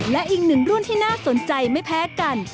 และอีกหนึ่งรุ่นที่น่าสนใจไม่แพ้กัน